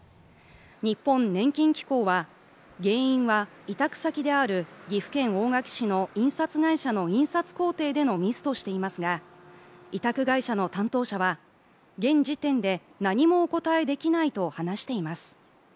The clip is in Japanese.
日本年金機構は原因は委託先である岐阜県大垣市の印刷会社の印刷工程でのミスをしていますが委託会社の担当者は現時点で何もお答えできないと話しています